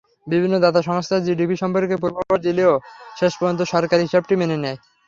বিভিন্ন দাতা সংস্থা জিডিপি সম্পর্কে পূর্বাভাস দিলেও শেষ পর্যন্ত সরকারি হিসাবটি মেনে নেয়।